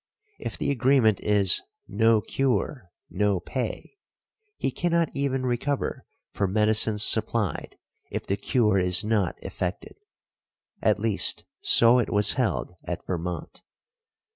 If the agreement is, no cure, no pay: he cannot even recover for medicines supplied if the cure is not effected. At least, so it was held at Vermont.